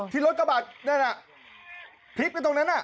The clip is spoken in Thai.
พลิกไปตรงนั้นอ่ะ